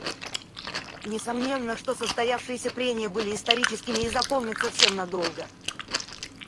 Несомненно, что состоявшиеся прения были историческими и запомнятся всем надолго.